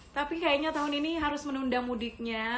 tapi kayaknya tahun ini harus menunda mudiknya